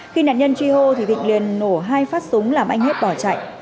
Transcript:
khi nạn nhân truy hô thì thịnh liền nổ hai phát súng làm anh hết bỏ chạy